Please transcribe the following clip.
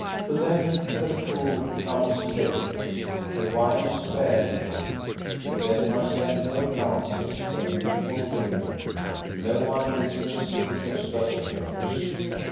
To them the food comes late, the wine sparingly ; to them are sent no glances from beautiful women, no one listens to Gosta's jokes.